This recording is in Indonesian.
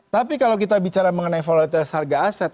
tapi kalau kita bicara mengenai volatilitas harga aset